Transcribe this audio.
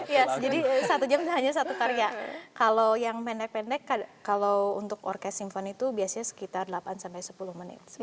iya jadi satu jam hanya satu karya kalau yang pendek pendek kalau untuk orkes simpan itu biasanya sekitar delapan sampai sepuluh menit